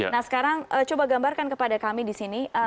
nah sekarang coba gambarkan kepada kami disini